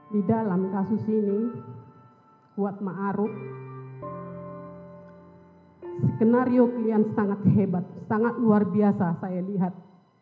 di dalam kasus ini kuat ⁇ maruf ⁇ skenario kalian sangat hebat sangat luar biasa saya lihat